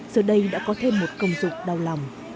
giờ đây đã có thêm một công dụng đau lòng